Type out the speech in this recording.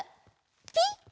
ピッ！